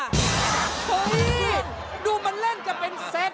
เฮ้ยดูมันเล่นจะเป็นเซต